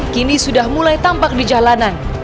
kini sudah mulai tampak di jalanan